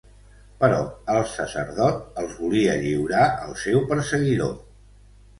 Però el sacerdot els volia lliurar al seu perseguidor.